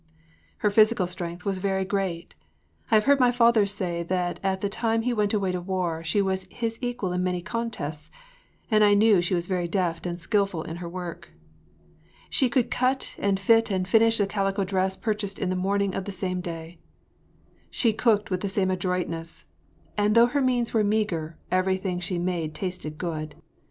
” Her physical strength was very great. I have heard my father say that at the time he went away to war she was his equal in many contests, and I know she was very deft and skillful in her work. She could cut and fit and finish the calico dress purchased in the morning of the same day. She cooked with the same adroitness, and though her means were meagre everything she made tasted good.